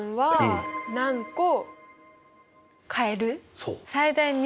そう。